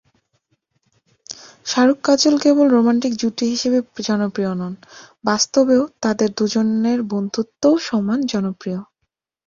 শাহরুখ-কাজল কেবল romantic জুটি হিসেবেই জনপ্রিয় নন, বাস্তবেও তাঁদের দুজনের বন্ধুত্বও সমান জনপ্রিয়।